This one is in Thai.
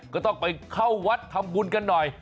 ก็ต้องไปเข้าวัดทำบุญกันหน่อย